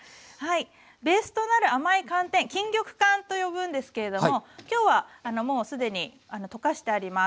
ベースとなる甘い寒天「錦玉かん」と呼ぶんですけれども今日はもう既に溶かしてあります。